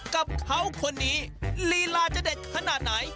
กับเขาคนนี้ลีลาจะเด็ดขนาดไหน